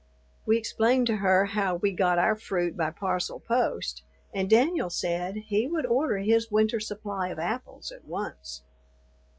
We explained to her how we got our fruit by parcel post, and Danyul said he would order his winter supply of apples at once.